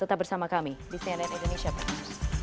tetap bersama kami di cnn indonesia prime news